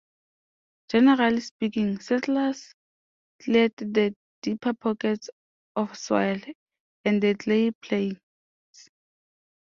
Generally speaking, settlers cleared the deeper pockets of soil, and the clay plains.